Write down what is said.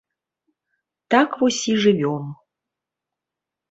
Так вось і жывём.